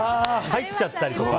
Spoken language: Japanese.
入っちゃったりとか。